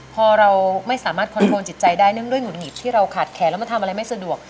พอเราไม่สามารถคอนโทรจิตใจได้เนื่องด้วยหงุดหงิดที่เราขาดแขนแล้วมันทำอะไรไม่สะดวก